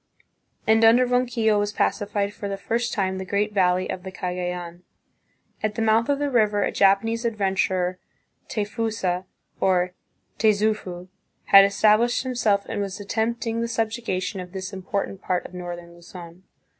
And under Ronquillo was pacified for the first time the great valley of the Cagayan. At the mouth of the river a Japanese adventurer, Tayfusa, or Tayzufu, had established himself and was attempting the subjuga tion of this important part of northern Luzon.